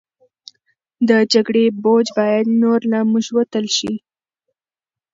د جګړې بوج باید نور له موږ وتل شي.